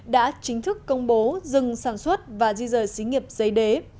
đã chính thức công bố dừng sản xuất và di rời xí nghiệp giấy đế